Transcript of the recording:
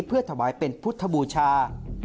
เพื่อถวายเป็นพุทธบูชา